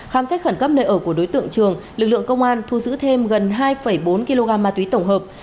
khám xét khẩn cấp nơi ở của đối tượng trường lực lượng công an thu giữ thêm gần hai bốn kg ma túy tổng hợp